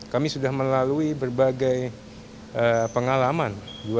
kami sudah melalui berbagai pengalaman dua ribu sembilan dua ribu empat belas dua ribu sembilan belas